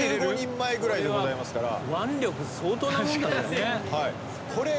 １５人前ぐらいでございますから。